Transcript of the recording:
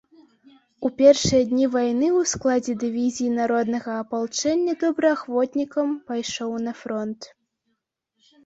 У першыя дні вайны ў складзе дывізіі народнага апалчэння добраахвотнікам пайшоў на фронт.